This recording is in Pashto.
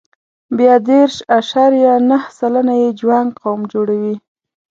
بیا دېرش اعشاریه نهه سلنه یې جوانګ قوم جوړوي.